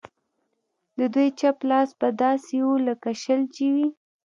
د دوی چپ لاس به داسې و لکه شل چې وي.